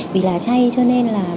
vì là chay cho nên là